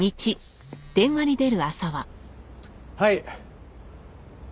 はい。